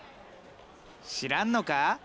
知らんのか？